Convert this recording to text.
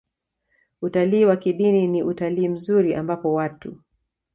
Utalii wa kidini ni utalii mzuri ambapo watu